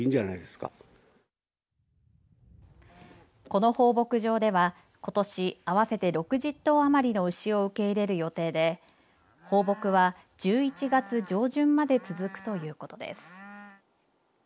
この放牧場では、ことし合わせて６０頭余りの牛を受け入れる予定で放牧は１１月上旬まで続くということです。